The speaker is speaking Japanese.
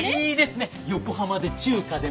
横浜で中華でも。